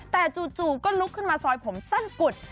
แต่จู่ก็ลุกขึ้นมาซอยผมสั้นกุด